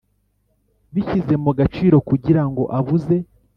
bishyize mu gaciro kugira ngo abuze